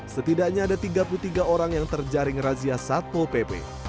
setidaknya ada tiga puluh tiga orang yang terjaring razia satpo pp